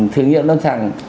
thử nghiệm lâm sàng